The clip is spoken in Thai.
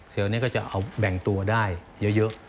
เซลล์นี้ก็จะแบ่งตัวได้เยอะ